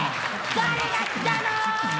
誰が来たの⁉